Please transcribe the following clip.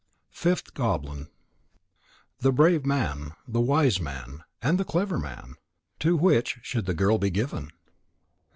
FIFTH GOBLIN _The Brave Man, the Wise Man, and the Clever Man. To which should the girl be given?